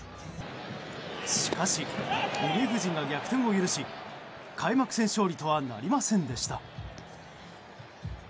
しかし、リリーフ陣が逆転を許し開幕戦勝利とはなりませんでした。